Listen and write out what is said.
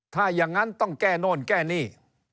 ถ้าอย่างนั้นต้องแก้โน่นแก้นี่